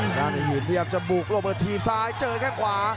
หน้าให้หยินพยายามจะบุกโลเวิร์ดทีมซ้ายเจอด้วยข้างขวา